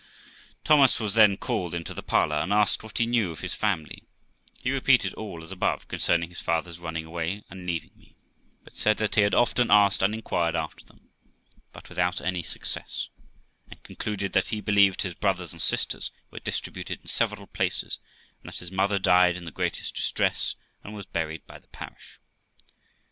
Thomas was then called into the parlour, and asked what he knew of his family ; he repeated all as above, concerning his father's running away and leaving me; but said that he had often asked and inquired after them, but without any success, and concluded, that he believed his brothers and sisters were distributed in several places, and that his mother died in the greatest distress, and was buried by the parish.